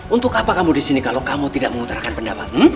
untuk apa kamu disini kalau kamu tidak mengutarakan pendapatmu